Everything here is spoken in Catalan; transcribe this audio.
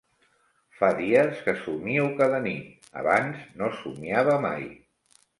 Fa dies que somio cada nit: abans no somiava mai.